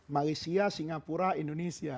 malaysia singapura indonesia